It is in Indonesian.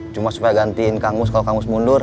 cuma supaya gantiin kang mus kalau kang mus mundur